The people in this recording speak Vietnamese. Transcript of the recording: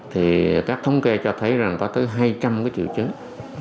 thì các thống kê cho thấy rằng có tới hai trăm linh cái triệu chứng